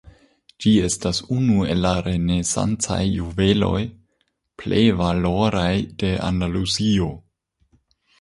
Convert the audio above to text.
Ĝi estas unu el la renesancaj juveloj plej valoraj de Andaluzio.